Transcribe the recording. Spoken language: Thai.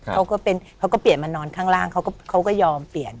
เขาก็เป็นเขาก็เปลี่ยนมานอนข้างล่างเขาก็ยอมเปลี่ยน